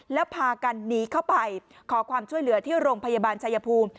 แล้วพากันหนีเข้าไปขอความช่วยเหลือที่โรงพยาบาลชายภูมิ